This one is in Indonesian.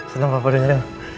seneng papa dengerin